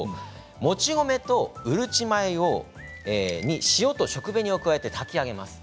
もち米と、うるち米を塩と食紅を加えて炊き上げます。